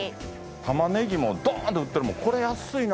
タマネギもドーンと売ってるもんこれ安いな。